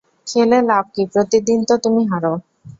খেলে লাভ কি প্রতিদিন তো তুমি হারো।